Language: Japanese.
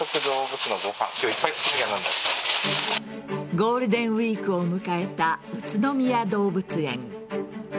ゴールデンウイークを迎えた宇都宮動物園。